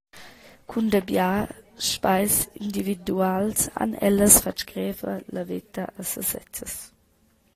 Cun dabia sbagls individuals han ellas fatg greva la veta a sesezzas.